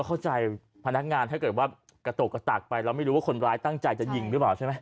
เข้าใจพนักงานถ้าเกิดว่ากระโตกกระตากไปเราไม่รู้ว่าคนร้ายตั้งใจจะยิงหรือเปล่าใช่ไหม